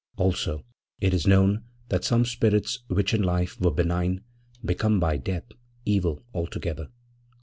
Also, it is known that some spirits which in life were benign become by death evil altogether.